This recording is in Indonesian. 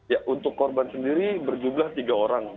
ya untuk korban sendiri berjumlah tiga orang